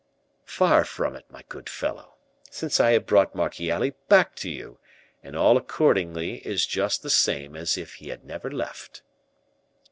"Far from it, my good fellow, since I have brought Marchiali back to you, and all accordingly is just the same as if he had never left."